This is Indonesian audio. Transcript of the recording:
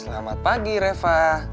selamat pagi reva